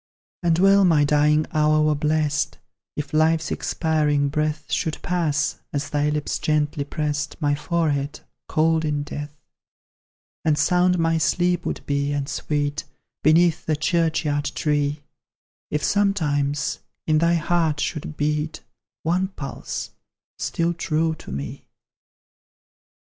And well my dying hour were blest, If life's expiring breath Should pass, as thy lips gently prest My forehead cold in death; And sound my sleep would be, and sweet, Beneath the churchyard tree, If sometimes in thy heart should beat One pulse, still true to me.